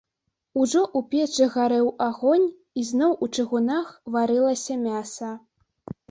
Ужо ў печы гарэў агонь, і зноў у чыгунах варылася мяса.